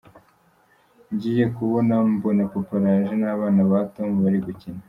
Ngiye kubona, mbona papa araje, n’abana ba Tom bari gukina.